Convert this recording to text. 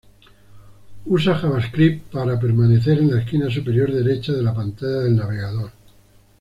Usa Javascript para permanecer en la esquina superior derecha de la pantalla del navegador.